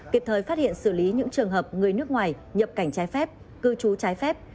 kịp thời phát hiện xử lý những trường hợp người nước ngoài nhập cảnh trái phép cư trú trái phép